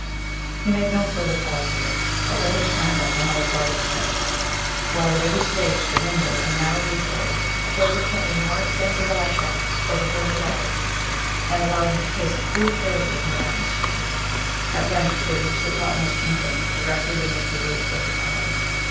He made no further pause here, but led his friend up another flight of steps while, at every stage, the windows and narrow loopholes afforded Kenyon more extensive eye shots over hill and valley, and allowed him to taste the cool purity of mid atmosphere. At length they reached the topmost chamber, directly beneath the roof of the tower.